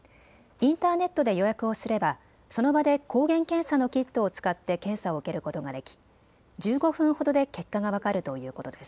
インターネットで予約をすればその場で抗原検査のキットを使って検査を受けることができ１５分ほどで結果が分かるということです。